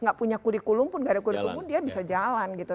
nggak punya kurikulum pun gak ada kurikulum pun dia bisa jalan gitu